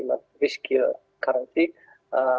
tentu saja akan beresiko